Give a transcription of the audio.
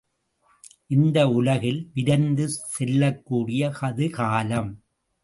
இந்த உலகில் விரைந்து செல்லக்கூடியது காலம்!